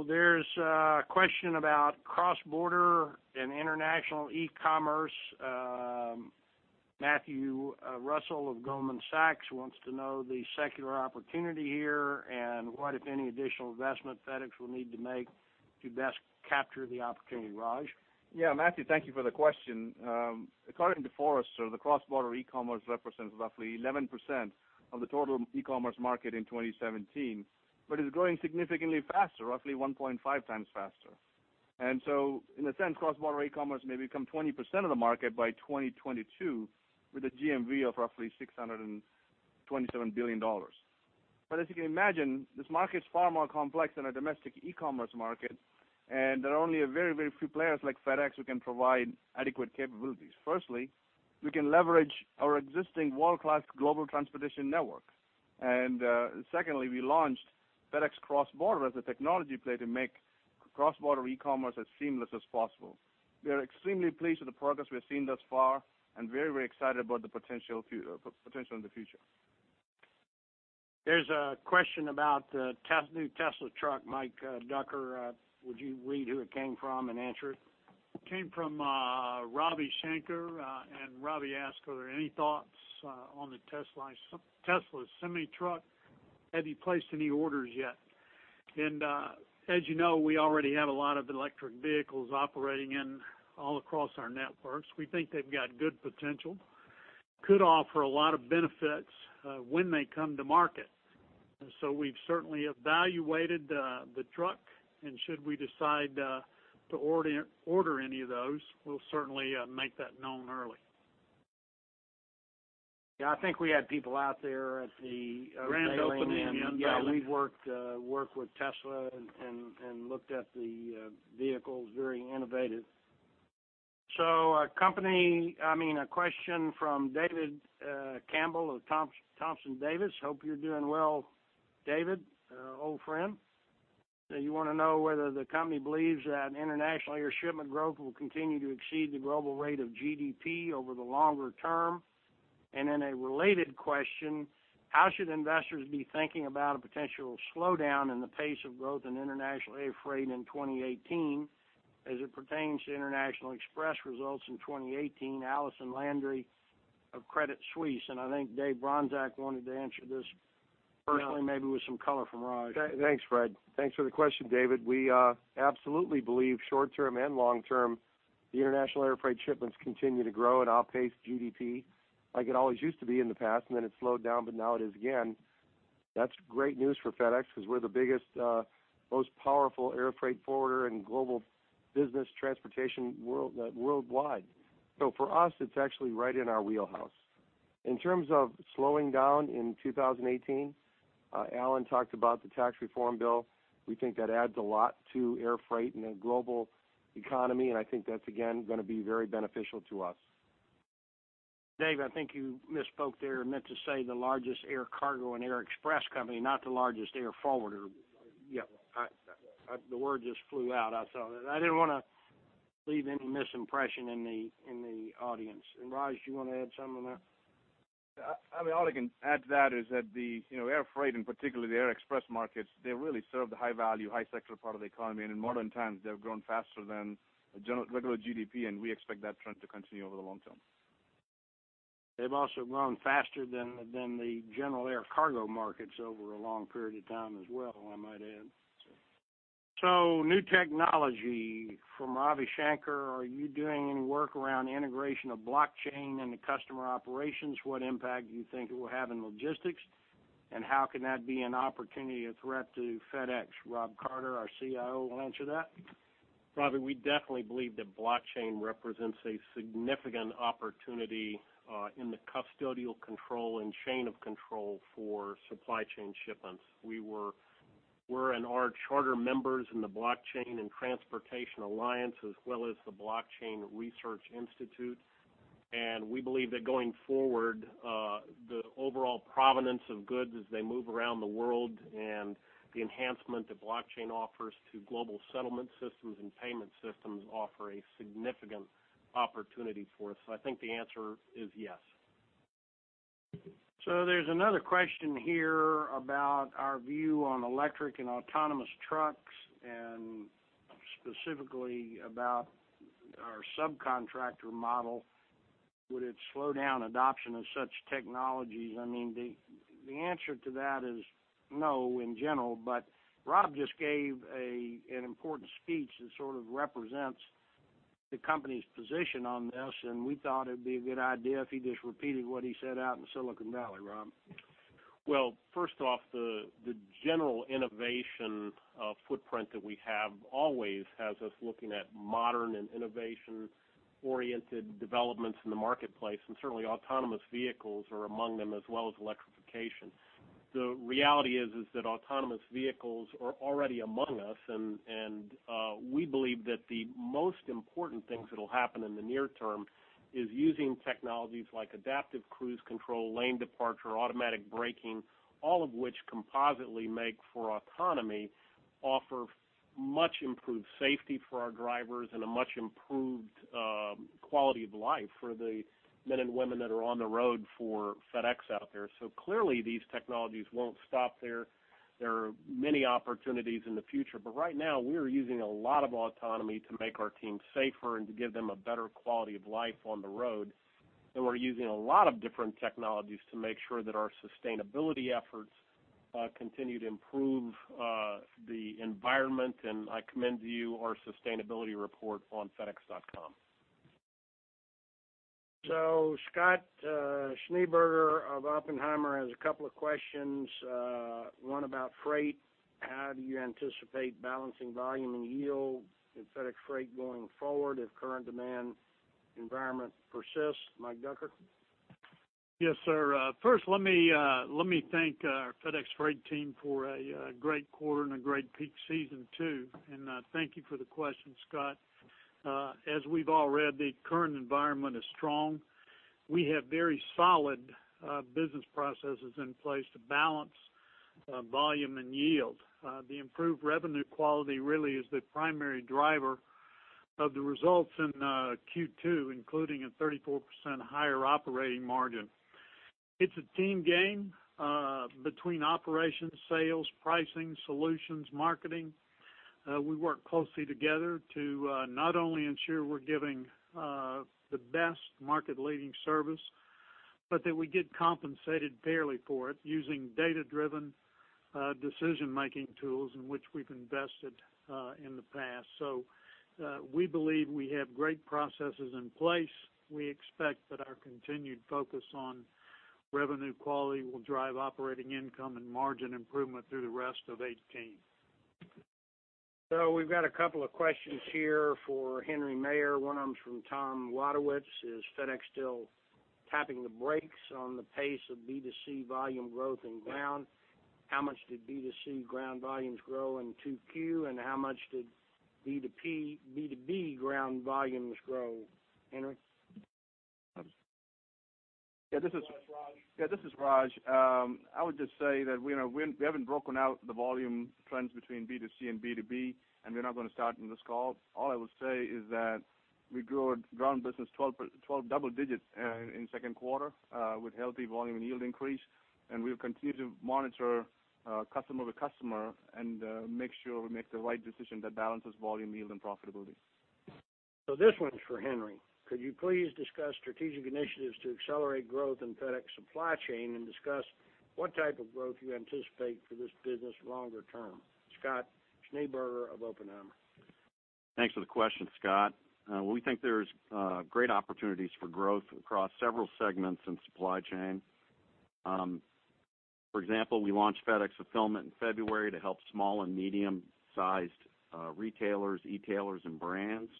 There's a question about Cross Border and international e-commerce. Matthew Russell of Goldman Sachs wants to know the secular opportunity here and what, if any, additional investment FedEx will need to make to best capture the opportunity. Raj? Yeah, Matthew, thank you for the question. According to Forrester, the cross-border e-commerce represents roughly 11% of the total e-commerce market in 2017, but is growing significantly faster, roughly 1.5 times faster. In a sense, cross-border e-commerce may become 20% of the market by 2022, with a GMV of roughly $627 billion. As you can imagine, this market's far more complex than a domestic e-commerce market, and there are only a very, very few players like FedEx who can provide adequate capabilities. Firstly, we can leverage our existing world-class global transportation network. Secondly, we launched FedEx Cross Border as a technology play to make cross-border e-commerce as seamless as possible. We are extremely pleased with the progress we've seen thus far and very, very excited about the potential in the future. There's a question about the new Tesla truck. Mike Ducker, would you read who it came from and answer it? It came from Ravi Shanker. Ravi asked, "Are there any thoughts on the Tesla semi-truck? Have you placed any orders yet?" As you know, we already have a lot of electric vehicles operating in all across our networks. We think they've got good potential. Could offer a lot of benefits when they come to market. We've certainly evaluated the truck, and should we decide to order any of those, we'll certainly make that known early. Yeah, I think we had people out there at the- Grand opening in Dallas. Yeah, we've worked with Tesla and looked at the vehicles. Very innovative. I mean, a question from David Campbell of Thompson Davis. Hope you're doing well, David, old friend. You want to know whether the company believes that international air shipment growth will continue to exceed the global rate of GDP over the longer term. A related question, how should investors be thinking about a potential slowdown in the pace of growth in international air freight in 2018 as it pertains to International Express results in 2018? Allison Landry of Credit Suisse, and I think Dave Bronczek wanted to answer this personally, maybe with some color from Raj. Thanks, Fred. Thanks for the question, David. We absolutely believe short-term and long-term, the international air freight shipments continue to grow at an outpace GDP like it always used to be in the past, and then it slowed down, but now it is again. That's great news for FedEx because we're the biggest, most powerful air freight forwarder and global business transportation worldwide. For us, it's actually right in our wheelhouse. In terms of slowing down in 2018, Alan talked about the tax reform bill. We think that adds a lot to air freight and the global economy, I think that's again, going to be very beneficial to us. Dave, I think you misspoke there and meant to say the largest air cargo and air express company, not the largest air forwarder. Yeah. The word just flew out. I didn't want to leave any misimpression in the audience. Raj, do you want to add something on that? All I can add to that is that the air freight and particularly the air express markets, they really serve the high value, high sector part of the economy. In modern times, they've grown faster than regular GDP, we expect that trend to continue over the long term. They've also grown faster than the general air cargo markets over a long period of time as well, I might add. That's right. New technology. From Ravi Shanker, are you doing any work around integration of blockchain in the customer operations? What impact do you think it will have in logistics, and how can that be an opportunity, a threat to FedEx? Rob Carter, our CIO, will answer that. Ravi, we definitely believe that blockchain represents a significant opportunity in the custodial control and chain of control for supply chain shipments. We are charter members in the Blockchain in Transport Alliance, as well as the Blockchain Research Institute. We believe that going forward, the overall provenance of goods as they move around the world and the enhancement that blockchain offers to global settlement systems and payment systems offer a significant opportunity for us. I think the answer is yes. There's another question here about our view on electric and autonomous trucks and specifically about our subcontractor model. Would it slow down adoption of such technologies? The answer to that is no in general, but Rob just gave an important speech that sort of represents the company's position on this, and we thought it'd be a good idea if he just repeated what he said out in Silicon Valley, Rob. Well, first off, the general innovation footprint that we have always has us looking at modern and innovation-oriented developments in the marketplace, and certainly autonomous vehicles are among them as well as electrification. The reality is that autonomous vehicles are already among us, and we believe that the most important things that'll happen in the near term is using technologies like adaptive cruise control, lane departure, automatic braking, all of which compositely make for autonomy, offer much improved safety for our drivers and a much improved quality of life for the men and women that are on the road for FedEx out there. Clearly, these technologies won't stop there. There are many opportunities in the future. Right now, we are using a lot of autonomy to make our team safer and to give them a better quality of life on the road, we're using a lot of different technologies to make sure that our sustainability efforts continue to improve the environment, and I commend to you our sustainability report on fedex.com. Scott Schneeberger of Oppenheimer has a couple of questions, one about freight. How do you anticipate balancing volume and yield in FedEx Freight going forward if current demand environment persists? Mike Ducker? Yes, sir. First, let me thank our FedEx Freight team for a great quarter and a great peak season, too. Thank you for the question, Scott. As we've all read, the current environment is strong. We have very solid business processes in place to balance volume and yield. The improved revenue quality really is the primary driver of the results in Q2, including a 34% higher operating margin. It's a team game between operations, sales, pricing, solutions, marketing. We work closely together to not only ensure we're giving the best market leading service, but that we get compensated fairly for it using data-driven decision making tools in which we've invested in the past. We believe we have great processes in place. We expect that our continued focus on revenue quality will drive operating income and margin improvement through the rest of 2018. We've got a couple of questions here for Henry Maier. One of them is from Thomas Wadewitz. Is FedEx still tapping the brakes on the pace of B2C volume growth in ground? How much did B2C ground volumes grow in 2Q, and how much did B2B ground volumes grow? Henry? This is Raj. I would just say that we haven't broken out the volume trends between B2C and B2B, we're not going to start in this call. All I will say is that we grew Ground business 12 double digits in the second quarter with healthy volume and yield increase. We'll continue to monitor customer and make sure we make the right decision that balances volume, yield, and profitability. This one's for Henry. Could you please discuss strategic initiatives to accelerate growth in FedEx Supply Chain and discuss what type of growth you anticipate for this business longer term? Scott Schneeberger of Oppenheimer. Thanks for the question, Scott. We think there's great opportunities for growth across several segments in supply chain. For example, we launched FedEx Fulfillment in February to help small and medium-sized retailers, e-tailers, and brands.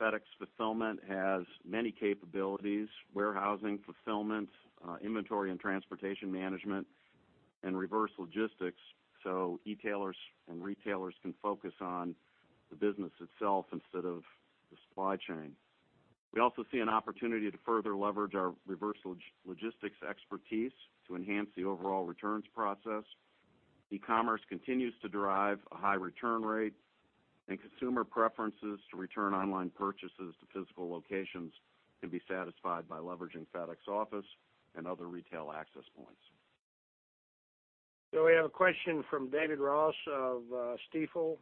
FedEx Fulfillment has many capabilities, warehousing, fulfillment, inventory and transportation management, and reverse logistics, e-tailers and retailers can focus on the business itself instead of the supply chain. We also see an opportunity to further leverage our reverse logistics expertise to enhance the overall returns process. E-commerce continues to drive a high return rate, and consumer preferences to return online purchases to physical locations can be satisfied by leveraging FedEx Office and other retail access points. We have a question from David Ross of Stifel.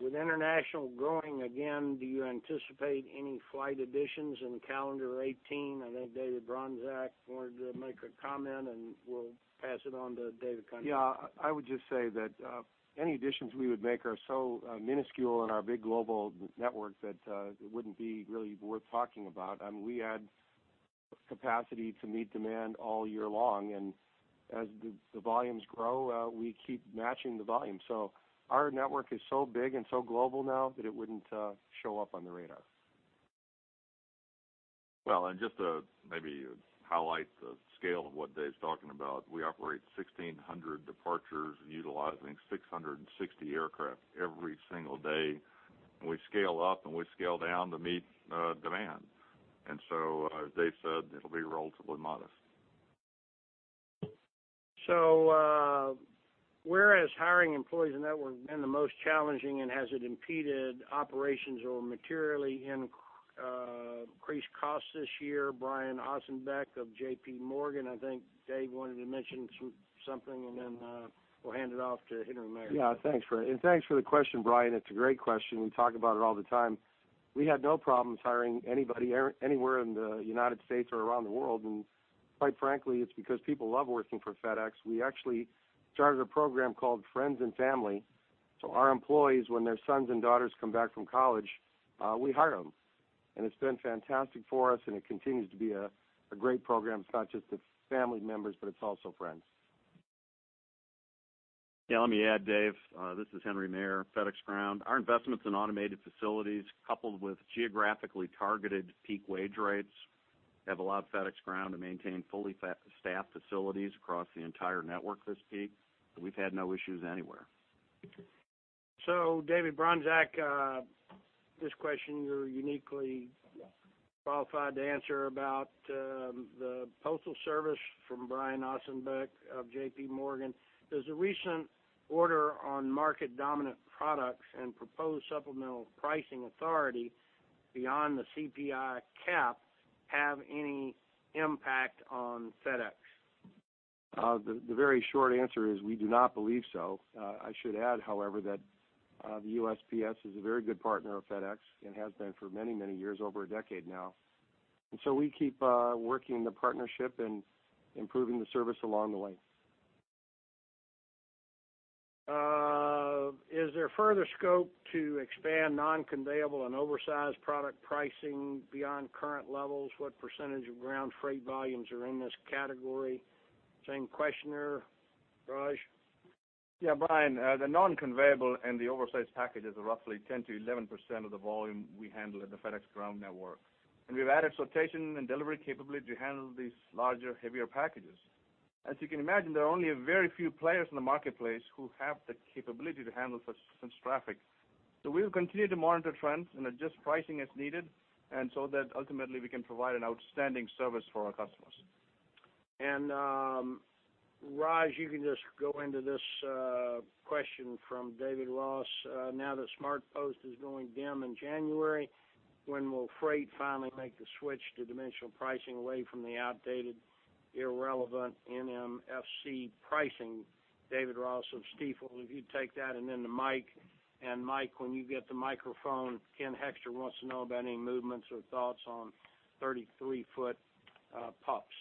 With international growing again, do you anticipate any flight additions in calendar 2018? I think David Bronczek wanted to make a comment, we'll pass it on to David Cunningham. I would just say that any additions we would make are so minuscule in our big global network that it wouldn't be really worth talking about. We add capacity to meet demand all year long, and as the volumes grow, we keep matching the volume. Our network is so big and so global now that it wouldn't show up on the radar. Just to maybe highlight the scale of what Dave's talking about, we operate 1,600 departures utilizing 660 aircraft every single day. We scale up and we scale down to meet demand. As Dave said, it'll be relatively modest. Where is hiring employees in network been the most challenging, and has it impeded operations or materially increased costs this year? Brian Ossenbeck of J.P. Morgan. I think Dave wanted to mention something, and then we'll hand it off to Henry Maier. Thanks. Thanks for the question, Brian. It's a great question. We talk about it all the time. We had no problems hiring anybody anywhere in the U.S. or around the world, and quite frankly, it's because people love working for FedEx. We actually started a program called Friends and Family. Our employees, when their sons and daughters come back from college, we hire them. It's been fantastic for us, and it continues to be a great program. It's not just family members, but it's also friends. Yeah, let me add, Dave. This is Henry Maier, FedEx Ground. Our investments in automated facilities, coupled with geographically targeted peak wage rates, have allowed FedEx Ground to maintain fully staffed facilities across the entire network this peak. We've had no issues anywhere. David Bronczek, this question you're uniquely qualified to answer about the Postal Service from Brian Ossenbeck of J.P. Morgan. Does a recent order on market dominant products and proposed supplemental pricing authority beyond the CPI cap have any impact on FedEx? The very short answer is we do not believe so. I should add, however, that the USPS is a very good partner of FedEx and has been for many years, over a decade now. We keep working the partnership and improving the service along the way. Is there further scope to expand non-conveyable and oversized product pricing beyond current levels? What percentage of ground freight volumes are in this category? Same questioner. Raj? Brian, the non-conveyable and the oversized packages are roughly 10%-11% of the volume we handle at the FedEx Ground network. We've added sortation and delivery capability to handle these larger, heavier packages. As you can imagine, there are only a very few players in the marketplace who have the capability to handle such traffic. We'll continue to monitor trends and adjust pricing as needed, so that ultimately we can provide an outstanding service for our customers. Raj, you can just go into this question from David Ross. Now that SmartPost is going DIM in January, when will freight finally make the switch to dimensional pricing away from the outdated, irrelevant NMFC pricing? David Ross of Stifel, if you'd take that. Then to Mike. Mike, when you get the microphone, Kenneth Hoexter wants to know about any movements or thoughts on 33-foot pups.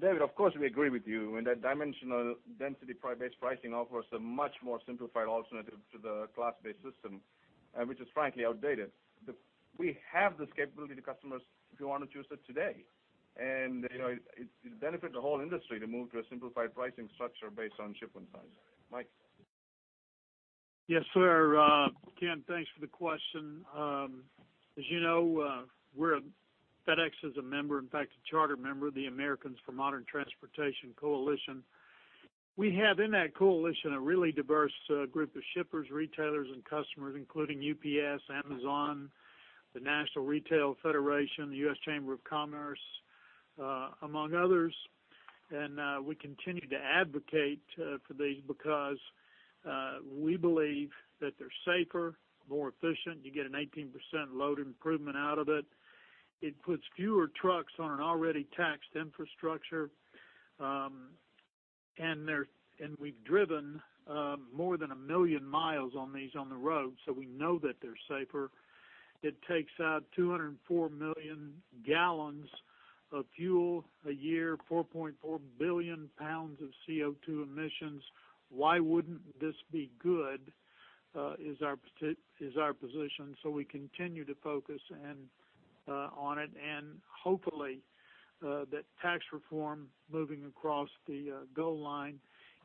David, of course, we agree with you. That dimensional density price-based pricing offers a much more simplified alternative to the class-based system, which is frankly outdated. We have this capability to customers if you want to choose it today, and it benefits the whole industry to move to a simplified pricing structure based on shipment size. Mike? Yes, sir. Ken, thanks for the question. As you know, FedEx is a member, in fact, a charter member of the Americans for Modern Transportation Coalition. We have in that coalition a really diverse group of shippers, retailers, and customers, including UPS, Amazon, the National Retail Federation, the U.S. Chamber of Commerce, among others. We continue to advocate for these because we believe that they're safer, more efficient. You get an 18% load improvement out of it. It puts fewer trucks on an already taxed infrastructure. We've driven more than a million miles on these on the road, so we know that they're safer. It takes out 204 million gallons of fuel a year, 4.4 billion pounds of CO2 emissions. Why wouldn't this be good, is our position. We continue to focus in on it, and hopefully, that tax reform moving across the goal line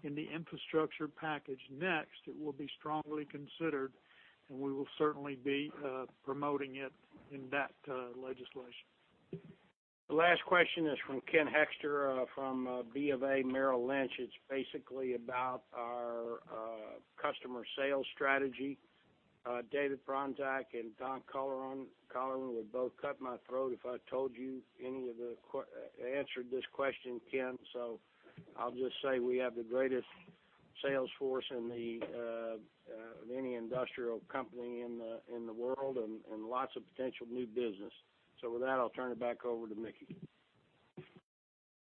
in the infrastructure package next, it will be strongly considered, and we will certainly be promoting it in that legislation. The last question is from Ken Hoexter from BofA Merrill Lynch. It's basically about our customer sales strategy. David Bronczek and Don Colleran would both cut my throat if I told you any of the answered this question, Ken. I'll just say we have the greatest sales force of any industrial company in the world and lots of potential new business. With that, I'll turn it back over to Mickey.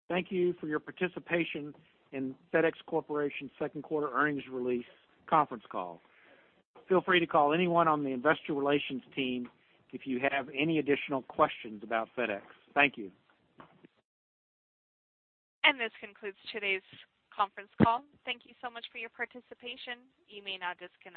Thank you for your participation in FedEx Corporation's second quarter earnings release conference call. Feel free to call anyone on the investor relations team if you have any additional questions about FedEx. Thank you. This concludes today's conference call. Thank you so much for your participation. You may now disconnect.